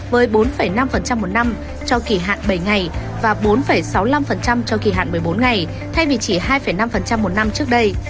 với bốn năm một năm cho kỳ hạn bảy ngày và bốn sáu mươi năm cho kỳ hạn một mươi bốn ngày thay vì chỉ hai năm một năm trước đây